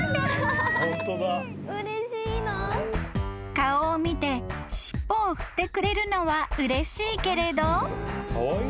［顔を見て尻尾を振ってくれるのはうれしいけれど］